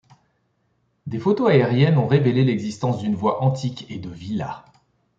Des photos aériennes ont révélé l'existence d'une voie antique et de villas.